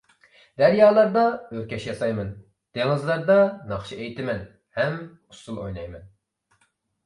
دەريالاردا ئۆركەش ياسايمەن، دېڭىزلاردا ناخشا ئېيتىمەن ھەم ئۇسسۇل ئوينايمەن.